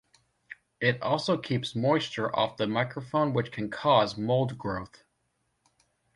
It also keeps moisture off the microphone which can cause mold growth.